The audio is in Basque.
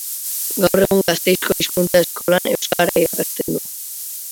Gaur egun Gasteizko Hizkuntza Eskolan euskara irakasten du.